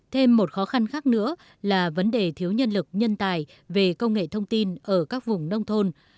thêm một khó khăn khác nữa là vấn đề thiếu nhân lực nhân tài về công nghệ thông tin ở các vùng nông thôn